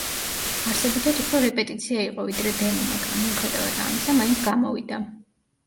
არსებითად უფრო რეპეტიცია იყო, ვიდრე დემო, მაგრამ მიუხედევად ამისა, მაინც გამოვიდა.